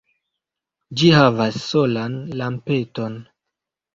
Ĝi havas solan lampeton.